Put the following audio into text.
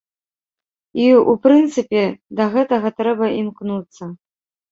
І, у прынцыпе, да гэтага трэба імкнуцца.